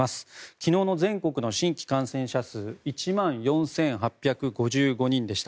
昨日の全国の新規感染者数１万４８５５人でした。